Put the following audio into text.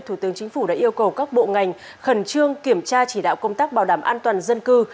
thủ tướng chính phủ đã yêu cầu các bộ ngành khẩn trương kiểm tra chỉ đạo công tác bảo đảm an toàn dân cư